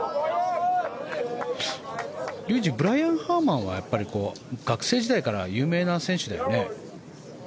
竜二、ブライアン・ハーマンはやっぱり学生時代から有名な選手だよね？